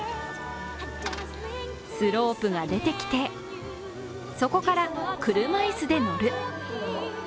スロープが出てきて、そこから車椅子で乗る。